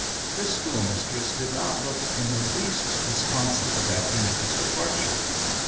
The schoolmistress did not look in the least disconsolate after Nicky's departure.